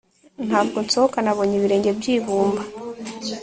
ntabwo nsohoka, nabonye ibirenge by'ibumba